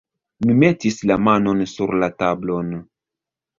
Mi metis la manon sur la tablon.